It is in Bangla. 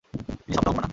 তিন সপ্তাহ পর না?